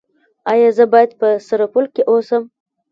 ایا زه باید په سرپل کې اوسم؟